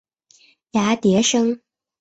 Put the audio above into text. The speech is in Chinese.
芽叠生。